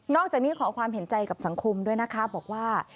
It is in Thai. อกจากนี้ขอความเห็นใจกับสังคมด้วยนะคะบอกว่า